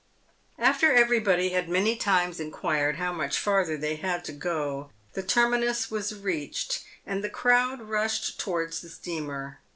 After everybody had many times inquired how much farther they had to go, the terminus was reached, and the crowd rushed towards the steamer.